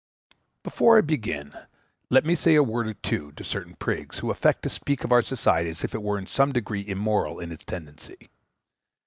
Before I begin, let me say a word or two to certain prigs, who affect to speak of our society as if it were in some degree immoral in its tendency.